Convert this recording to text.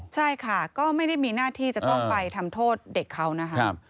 ใช่ค่ะก็ไม่ได้มีหน้าที่จะต้องไปทำโทษเด็กเขานะครับ